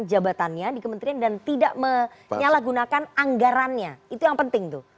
jabatannya di kementerian dan tidak menyalahgunakan anggarannya itu yang penting tuh